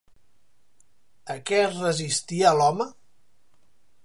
A què es resistia l'home?